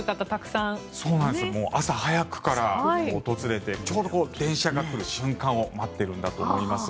朝早くから訪れてちょうど電車が来る瞬間を待っているんだと思います。